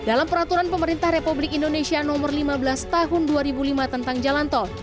dalam peraturan pemerintah republik indonesia nomor lima belas tahun dua ribu lima tentang jalan tol